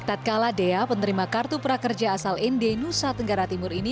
tatka aladea penerima kartu prakerja asal inde nusa tenggara timur ini